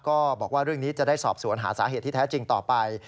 ก็บอกว่าเรื่องนี้จะได้สอบสวนหาสาเหตุที่แท้จริงต่อไป